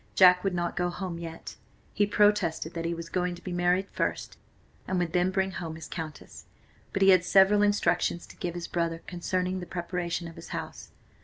Jack would not go home yet. He protested that he was going to be married first, and would then bring home his Countess. But he had several instructions to give his brother concerning the preparation of his house.